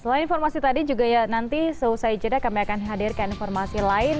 selain informasi tadi juga ya nanti selesai jeda kami akan hadir ke informasi lain